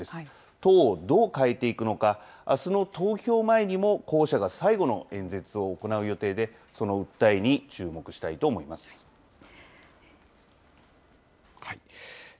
党をどう変えていくのか、あすの投票前にも候補者が最後の演説を行う予定で、その訴えに注目したいと思います。